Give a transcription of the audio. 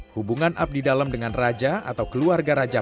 hubungan abdi dalam dengan raja atau keluarga raja